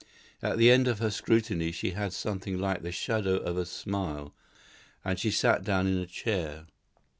At the end of her scrutiny she had something like the shadow of a smile, and she sat down in a chair.